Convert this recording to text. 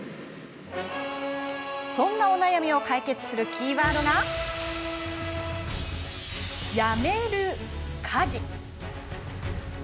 そんなお悩みを解決するキーワードがやめる家事！